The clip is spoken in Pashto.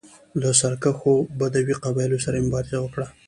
له سرکښو بدوي قبایلو سره یې مبارزه وکړه